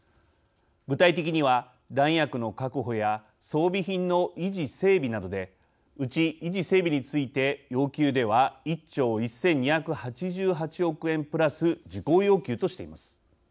具体的には弾薬の確保や装備品の維持整備などでうち、維持整備について要求では１兆１２８８億円プラス事項要求としています。